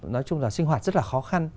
nói chung là sinh hoạt rất là khó khăn